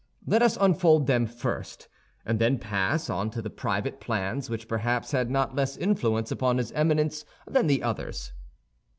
Let us unfold them first, and then pass on to the private plans which perhaps had not less influence upon his Eminence than the others.